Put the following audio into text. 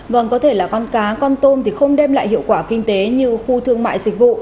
vâng có thể là con cá con tôm thì không đem lại hiệu quả kinh tế như khu thương mại dịch vụ